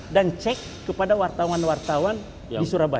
dan cek kepada wartawan wartawan di surabaya